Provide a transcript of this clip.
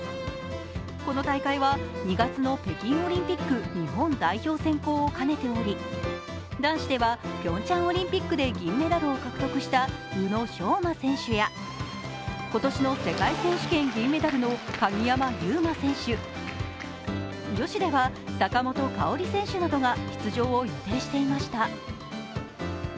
この大会は２月の北京オリンピック日本選考を兼ねており、男子では、ピョンチャンオリンピックで銀メダルを獲得した宇野昌磨選手や今年の世界選手権銀メダルの鍵山優真選手、女子では坂本花織選手などが出場を予定していました。